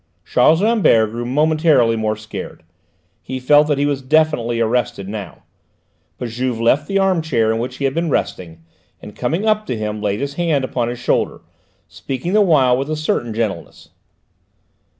Charles Rambert grew momentarily more scared. He felt that he was definitely arrested now. But Juve left the arm chair in which he had been resting, and coming up to him laid his hand upon his shoulder, speaking the while with a certain gentleness.